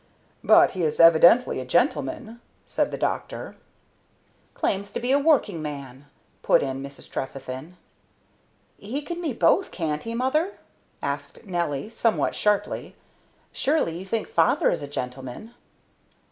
"But he is evidently a gentleman?" said the doctor. "Claims to be working man," put in Mrs. Trefethen. "He can be both, can't he, mother?" asked Nelly, somewhat sharply. "Surely you think father is a gentleman."